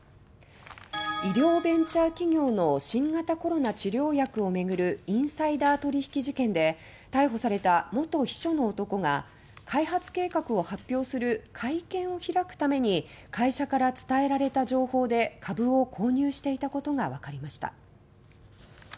医療ベンチャー企業の新型コロナ治療薬を巡るインサイダー取引事件で逮捕された元秘書の男が開発計画を発表する会見を開くために会社から伝えられた情報で株を購入していたことがわかりました。